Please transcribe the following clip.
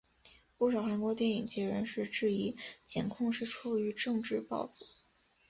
不少韩国电影界人士质疑检控是出于政治报复。